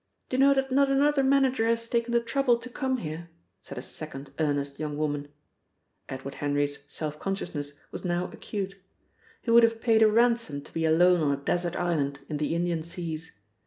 "D'you know that not another manager has taken the trouble to come here!" said a second earnest young woman. Edward Henry's self consciousness was now acute. He would have paid a ransom to be alone on a desert island in the Indian seas.